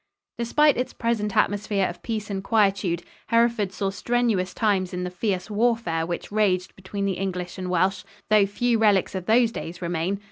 Despite its present atmosphere of peace and quietude, Hereford saw strenuous times in the fierce warfare which raged between the English and Welsh, though few relics of those days remain.